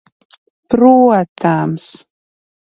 Protams.